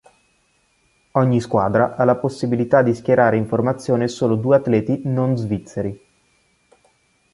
Ogni squadra ha la possibilità di schierare in formazione solo due atleti non svizzeri.